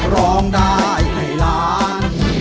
ร้องได้ให้ล้าน